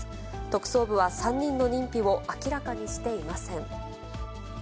特捜部は３人の認否を明らかにしていません。